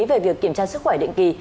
về việc kiểm tra sức khỏe định kỳ